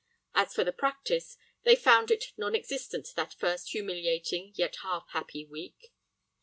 As for the practice, they found it non existent that first humiliating yet half happy week.